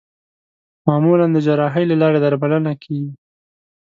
معمولا د جراحۍ له لارې درملنه کېږي.